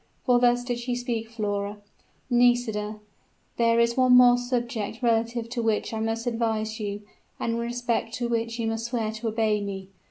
For thus did she speak, Flora 'Nisida, there is one more subject relative to which I must advise you, and in respect to which you must swear to obey me.